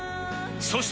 そして